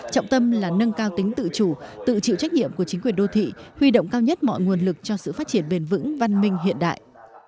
trọng tâm là nâng cao tính tự chủ tự chịu trách nhiệm của chính quyền đô thị huy động cao nhất mọi nguồn lực cho sự phát triển bền vững văn minh hiện đại